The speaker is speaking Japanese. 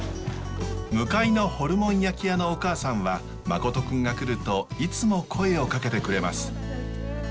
向かいのホルモン焼き屋のお母さんは誠くんが来るといつも声をかけてくれます。